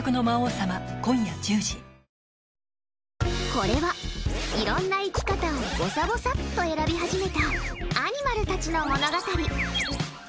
これは、いろんな生き方をぼさぼさっと選び始めたアニマルたちの物語。